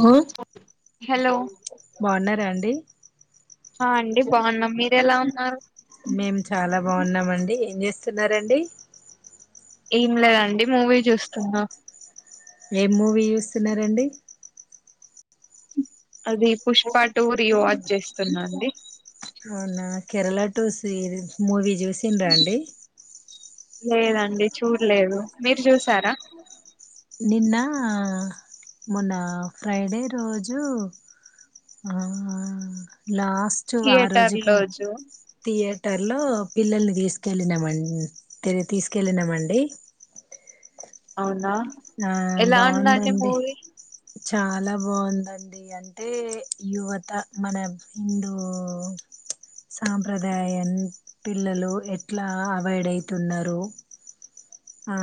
ఉ hello బాగున్నారా అండి ఆ అండి బాగున్నాం. మీరెలా ఉన్నారు? మేం చాలా బాగున్నామండి. ఏం చేస్తున్నరండి? ఏం లేదండి మూవీ చూస్తున్న. ఏం మూ వి చూస్తున్నరండి. అది పుష్పా టు రీవాచ్ చేస్తున్నా అండి అవునా కేరళ టు సీ మూవీ జూసింరా అండి లేదండి చూడ్లేదు మీరు చూసారా నిన్నా మొన్న ఫ్రైడే రోజు ఆ లా థియటర్లో జు టర్లో పిల్లల్ని తీస్కెళ్ళినమం తీస్కెళ్ళినమండి. అవునా ఎలా ఉందండి బాగుందండి మూవీ చాలా బాగుందండి. అంటే యువత మన హిందూ సాంప్రదాయం పిల్లలు ఎట్ల అవాయిడ్ అయితున్నరు. ఆ...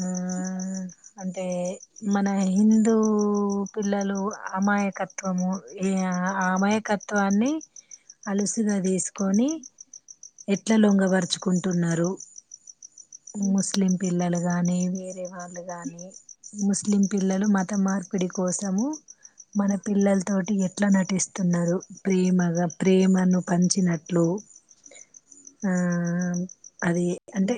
ఆ అంటే మన హిందూ పిల్లలు అమాయకత్వము ఈ అమాయకత్వాన్ని అలుసుగా తీస్కోని ఎట్ల లొంగబరుచుకుంటున్నరు ముస్లీం పిల్లలు కగానీ వేరే వాళ్ళు కానీ ముస్లిం పిల్లలు మత మార్పిడి కోసము మన పిల్లలతోటి ఎట్లా నటిస్తున్నారు ప్రేమగా ప్రేమను పంచినట్లు. ఆ అది అంటే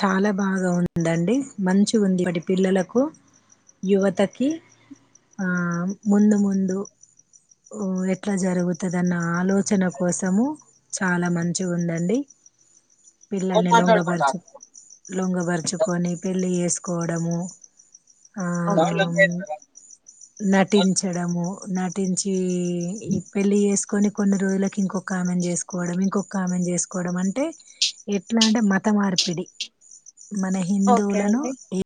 చాలా బాగ ఉందండి మంచిగుంది. అప్పటి పిల్లలకు యువతకి ఆ ముందు ముందు ఎట్ల జరుగుతదన్న ఆలోచన కోసము చాలా మంచిగుందండి. పిల్లల్ని లొంగబరిచు లొంగ ఉంచుకొని పెళ్ళి చేస్కోవడము. ఆ నటించడము. న తెంచి ఈ పెళ్లి చేస్కొని కొన్ని రోజులకి ఇంకొక ఆమెను చేసుకోవడం ఇంకొక ఆమెను చేసుకోవడం అంటే ఎట్లా అంటే మత మార్పిడి. మన ఓకే హిందువులను అండి ఎ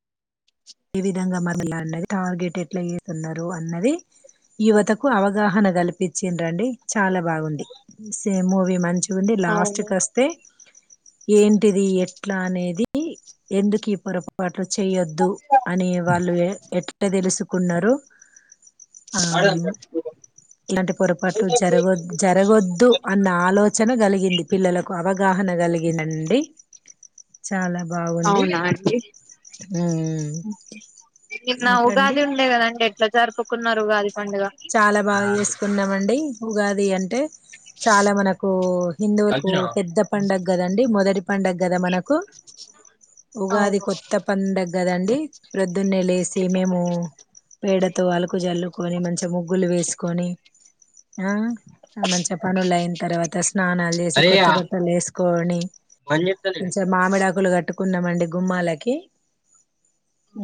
ఈ విధంగా మనల్ని టార్గెట్ ఎట్లా చేస్తున్నారు అన్నది యువతకు అవగాహన కల్పించింరండి చాలా బాగుంది సేమ్ మూవీ మంచి నుండి లాస్ట్ అవును కస్తే ఏంటిది ఎట్లా అనేది ఎందుకు ఈ పొరపాటు లు చేయొద్దు అని వాళ్ళు ఎట్ల ఎట్ట తెలుసుకున్నారు ఆ ఇలాంటి పొరపాట్లు జరగద్ జరగొద్దు అన్న ఆలోచన కలిగింది పిల్లలకు అవగాహన కలిగిందండి. చాలా బాగుంది అవునా హ్మ్మ్ నిన్నా ఉగాది ఉండేగా అండి ఎట్ల జరుపుకున్నారు ఉగాది పండుగ చాలా బాగా చేసుకున్నామండి ఉగాది అన్ అంటే చాలా మనకు హిందువులకు పెద్ద పండుగ కదండి మొదటి పండుగ కదా మనకు ఉగాది అవును కొత్త పండుగ కదాం ప్రతి ప్రొదున్నే లేసి మేము పేడతో అలుకు జల్లుకొని మంచి ఇ ముగ్గులు వేసుకొని ఆ మంచి పనులు అయిన తర్వాత స్నానాలు చేసి కొత్త బట్టలు వేసు కోనీ మామిడాకులు కట్టుకో కున్నామండి గుమ్మాలకి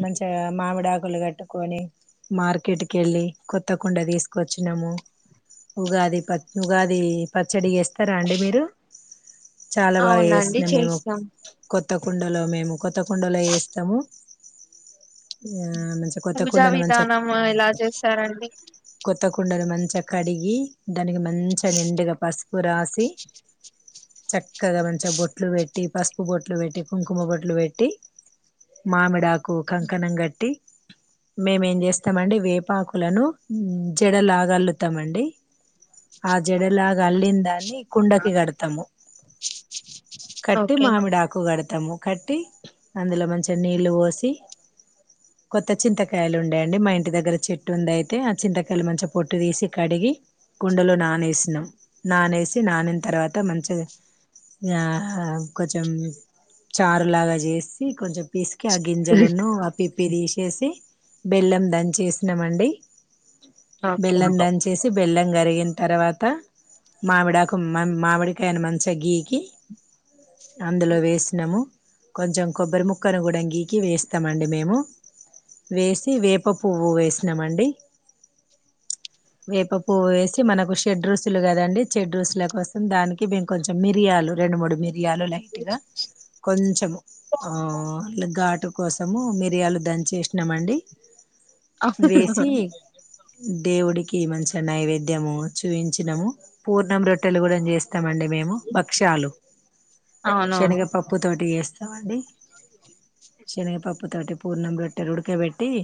మంచి గా మామిడా ముక్కలు కట్టుకొని మార్కెట్కి వెళ్ళి కొత్త కుండ తీసుకోచ్చినాము ఉగాది ప ఉగాది పచ్చడి చేస్ రా అండి మీరు చాలా బాగా అవునండి చేస్తున్నా మేము చేసినాం కొత్ కొత్త కుండలో మేము కొ కొత్త కుండలో వేస్తాము ఆ మంచిగా కొత్త పూజా కుండను మంచిగా విధానం ఏలా చేస్తారండి కొత్తకుండది మంచించక్క కాడిగి దానికి మంచిగా నిండుగా పస్ ఉప్పు రాసి చక్కగా మంచిగా బొట్లు పెట్టి పసుపు బొట్లు పెట్టి కుంకుమ బొట్లు పెట్టి మామిడాకు కూ కంకణం గట్టి మేమేం చేస్తామండి వేపాకు లను జడలాగా అల్లుతామండి ఆ జడలాగా అల్లిన దాన్ని కుండకి కడతాము కట్టి ఓకే మామిడాకు కడతాము కట్టి అందులో మంచిగా నీళ్ళు పోసి కొత్త చింతకాయలు ఉండేయండి మా ఇంటి దగ్గర చెట్టు ఉండి అయిటె చితకాయలు మంచీగా పోటు థిసి కడిగి కుండలో నానెసి నానెసి నానినా థారువత్ మంచీగా యా యా కోచం చారులగా చాసి కోచం క గింజలులను ఆ పిప్పి తీసేసి బెల్లం దంచేస్ నమండి ఓకే బెల్లం దాంచేసి బెల్లం కరిగిన తరువాత మామిడి ఆకు మా మామిడి కయాని మంచీగా గికి అందులో వేసినాము కొంచెం కొబ్బరి ముక్కను కూడాంగీకి వేస్తామండి మేము వేసి వేప పువ్వు వేసి అండి వేప పువ్వు వేసి మనకు షెడ్ రుచూలు కద అండి షెడ్ రుచులు కోసం దానికి మేం కొంచెం మియాలు రెండు మూడు మి రియాలో లైట్గా కొంచం ఆ ఘాటు కోసము మిరియాలు దన్ చేసినామండి వేసి దేవుడికి మంచిగా నైవేద్యము చూపించినాము పూర్ణం రొట్టెలు కూడా చేస్ స్తామండి మేము భక్షాలు అవునవును శనగపప్పు తోటి వేస్ వండి శనిగపప్పు పప్పు తోటి పూర్ణం రొట్టెలు ఉడక పెట్టి టి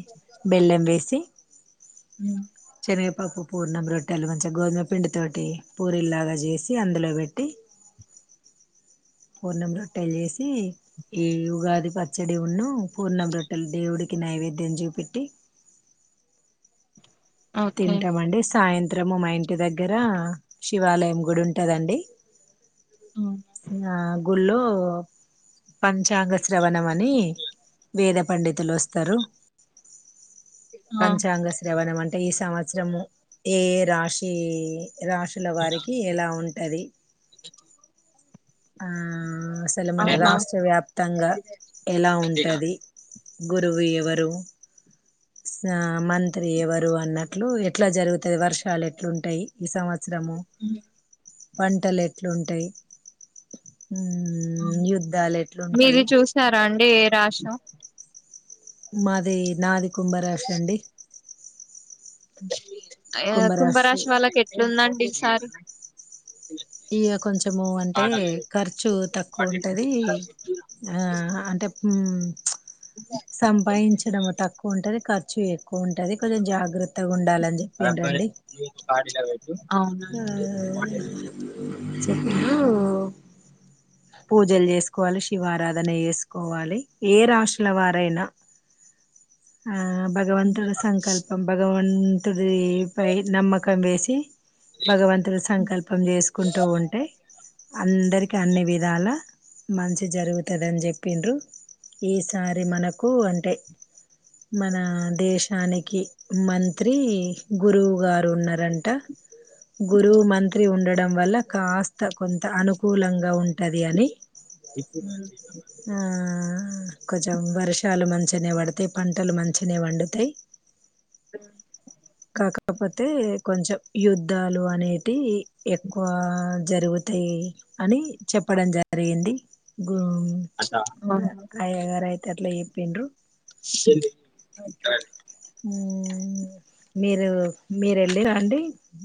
బెల్లం వేసి మ్మ్ శనగపప్పు పూర్ణం రొట్టెలు కొంచెం గోధుమ పిండి తోటి పూరి లాగా చేసి అందులో పెట్టి పూర్ణం రొట్టె చేసి ఈ ఉగాది పచ్చడి వున్ను పూర్ణం రెట్టల్ దేవుడికి ఈ నైవేద్యం జూపెట్టి ఓకే తింటామండి సాయం త్రము మా ఇంటి దగ్గర శివాలయం గుడి ఉంటదండి హ్మ్. ఆ గుళ్ళో తో పంచాంగ శ్రవణం అని వేద పండితులు వస్తారు ఆ పంచాంగ శ్రవణమం సంవత్సరము ఏ రాశి రాసుల వారికి ఎలా ఉం అది ఆ అసలు మన ఆహా రాష్ట్ర వ్యాప్తంగా ఎలా ఉంటది గురువు ఎవరు ఆ మంత్రి ఎవ రు అన్నట్లు ఎట్లా జరుగుతది వర్షాలు ఎట్లుంటాయి ఈ సంవత్స శ్రము హ్మ్. పంటలు ఎట్లుంటాయి ఆ యుద్ధాలు ఎట్లుంటాయి మీది చూసారా అండి ఏ రాషో మాది నాది కుంభ రాశండి ఆ కుంభరాశి వాళ్ళకి ఎట్లుందండి ఈసారి ఇగ కొంచము అంటే ఖర్చు తక్కువ ఉంటది ఆ అంటే మ్మ్ హ్మ్ సంపాయించడము తక్కువ ఉంటది కర్ ఖర్చు ఎక్కువ ఉంటది కొంచెం జాగ్రత్తగా ఉండాలని చెప్పిండ రండి అవునా ఆ అండి చెను పూజలు చేసుకోవాలి శివారాధన చేసుకోవాలి ఏ రాశుల వారైనా ఆ భగవంతుడు సంకల్పం భగవాన్ అంటది పై నమ్మకం వేసి భగవంతులు హ్మ్. సంకల్పం చేసుకుంటూ ఉంటే అందరికి అన్ని విధ ఇదాల మంచి జరుగుతదని చెప్పిండ్రు ఈసారి మనకు అంటే మన దేశానికి మంత్రి గురువు గారు ఉన్నారంట గురువు మంత్రి ఉండ వల్ల కాస్త కొంత అనుకూలంగా ఉం ఉంటది అని చెప్పు ఆ కొంచెం వర్షాలు మంచి పంచనే పడతేయి పంటలు మంచినే పండుతాయి ఆ కాకపోతే కొంచెం యుద్ధాలు అనేటి ఎక్కువ జరుగుతాయి అని చెప్పడం జరిగింది గు ఫస్ట్ ఆ ఆహా గట్ల చెప్పిరు సెలు డాడీ హు మీరు మీర వెళ్ళరా అండి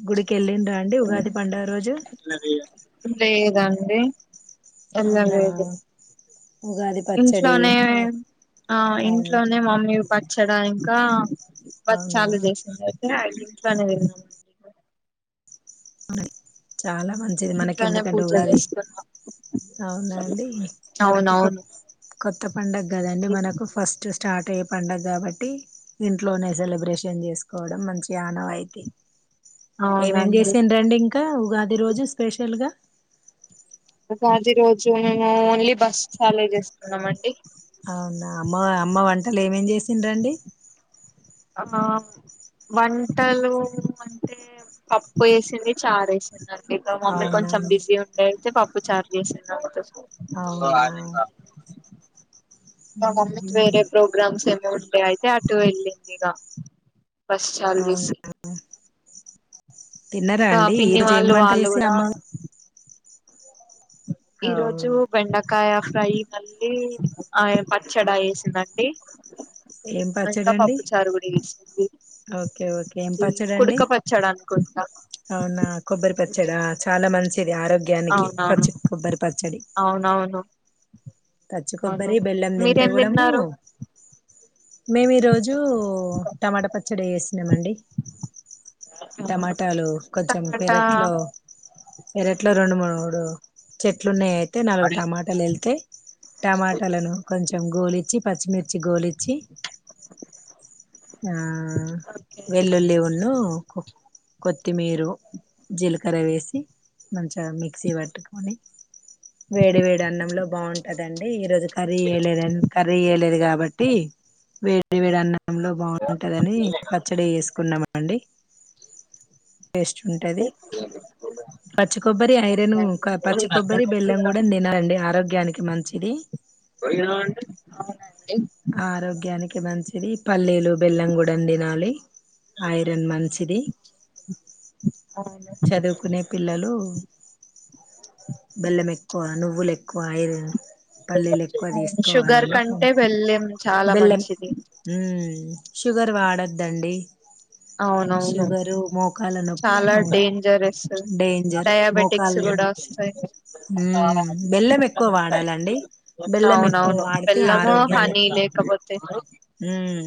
గుడికి కి వెళ్ళిండ్రా అండి ఉగాది పండుగ రోజు అది అవునా ఆన్ ఇంట్లోనే ఆ అవును ఇంట్లోనే మమ్మీ పచ్చడా ఇంకా అవునా బచ్చాలు చేసినా అయితే ఇంట్లోనే తిన్నా [inaudible] చాలా మంచిది మనకి ఇంట్లోనే ఎందుకంటే పూజ ఉగాది చేసుకున్నాం అవునా అండి మనకు కొ అవునవును కొత్త పండగ కదండి మనకు ఫస్ట్ స్టార్ట్ అయ్యే పడుగ కాబట్టి ఇంట్లోనే సెలబ్రేషన్ చేసుకోవడం మంచి ఆనవాయితీ అవునండి అండి ఇంకా ఉగాది రోజు స్పెషల్ గా ఉగాది రోజు మేము ఓన్లీ బస్ హాలే చేస్తుకున్నము అండి అవునా మా అమ్మ వంటలు ఏమేం ఏం చేసి ఏంటండీ ఆ వంటలు అంటే పప్పు వేసింది చారు వేసింది ఇంట్లో మమ్మీ కొంచెం అవునండి బిజీ ఉండే పప్పు చారు చేసిందా అ అవునా మా మమ్మీ కి ఉహుం. వేరే ప్రోగ్రామ్స్ ఎం ఉండే అయితే అటు వెళ్ళింది ఇగ అవునా తిన్నరా ఇంకా అండి పిన్ని ఈరోజు వాళ్ళు ఏమివంట వాళ్ళు చేసి కూడా అమ్మ ఈ రోజు అవును బెండకాయ ఫ్రై మళ్ళీ ఆయన పచ్చడా వేసిండండి ఏం ఇంకా పచ్చడండి పప్పు చారు కూడ చేసింది ఓకే ఓకే ఏం పచ్చడి అండి అనుకుంటా అవునా కొబ్బరి పచ్చడా చాలా మంచిది ఆరోగ్యానికి పచ్చ అవునవును కొబ్బరి పచ్చడి అవునవును పచ్చి అవును కొబ్బరి బెల్లం తింటే మీరేం కూడము తిన్నారు మేము ఈరోజు టమాటా పచ్చ డ చేసినమండి టమాటాలు కొంచెం టమాటా పెరట్ లో పెరట్ లో రెండు మూడు మూడు చెట్లు ఉన్నాయి అయ్ నాలుగు టమాటాలు ఏళ్తాయి టమాటాలను కొంచెం గోలిచ్చి పచ్చిమిర్చి గోళిచ్చి ఆ ఓకే వెలుళ్ళి ఉన్ను కొ కొత్తిమీరు జీలకర్ర వేసి మంచిగా మిక్సీ పట్టుకొని వేడి వేడి అన్నంలో బాగుంటదండి ఈరోజు కర్రీ వేయలేద కర్రీ చేయలేదు కాబట్టి వేడి వేడి అన్నంలో బాగుంటదని పచ్చడి చేసుకున్నం ఉున్నమండి టేస్ట్ ఉంటది పచ్చ కొబ్బరి ఐరన్ ఓకే పచ్చ అండి. కొబ్బరి బెల్లం కూడా తినాలండి ఆరోగ్యానికి మంచిది అవునండి ఆరోగ్యానికి కి మంచిది పల్లెలు బెల్లం కూడం తినాలి ఐరన్ మంచిది అవును చదువుకునే పిల్లలు బెల్లం ఎక్కువ నువ్వులు ఎక్కువ ఐరన్ పల్లీలు ఎక్కువ షుగర్ తీసుకోవాలండి కంటే వెళ్ళం చాలా బెల్లం మంచిది మ్మ్ షుగర్ వాడొద్దండి అవునవును షుగరు మోకాల నొప్పులను జరస్ డేంజర్ డయాబెటిక్స్ మోకాలు కూడా వస్తాయి మ్మ్ బెల్లం ఎక్కువ వాడాలండి బెల్లం ఎక్కువ అవునవును వాడితే బెల్లము హనీ ఆరోగ్యానికి లేకపోతే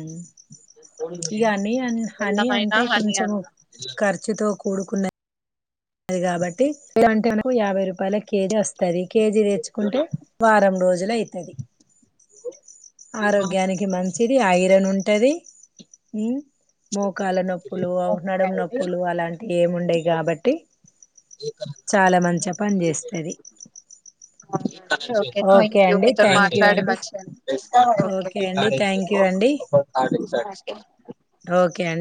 [unintelligible] ఈ హనీ అ హనీ బెల్లమైనా అంటే హనీ కొంచెం అన్న ఖర్చుతో కు కూడుకున్నయి ది కాబట్టి కు మనకు యాభై రూపాయల కేజీ వస్తంది తది కేజీ తెచ్చుకుంటే వారం రోజులు లే అయితది ఆరోగ్యానికి మంచిది ఆయిర్ ఏదనా ఉంటాది మోకాల నొప్పులు నడ ఓకే అండి నొప్పులు అలాంటివి ఏముండేవి కాబట్టి చాలా మంచిగా పని చేస్తుది అ ఓకే థ్యాంక్ యూ అండి మీతో థ్యాంక్ యూ మాట్లాడి అండి మంచి ఓకే అండి కాడే థ్యాంక్ యూ అండి ఒక [unintelligible] ఓకే అండి